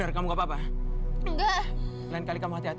jangan lupa kalimah barrier